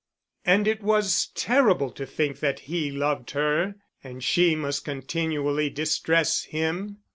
And it was terrible to think that he loved her, and she must continually distress him.